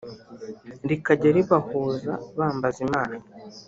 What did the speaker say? rikajya ribahuza bambaza Imana